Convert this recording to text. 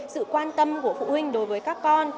sự quan tâm của phụ huynh đối với các con